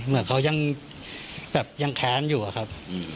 เหมือนเขายังแค้นอยู่ครับ